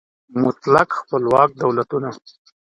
مطلق خپلواک دولتونه